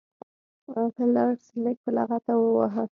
فلیریک سکلیټ په لغته وواهه.